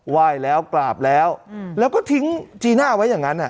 ไหว้แล้วกราบแล้วแล้วก็ทิ้งจีน่าไว้อย่างนั้น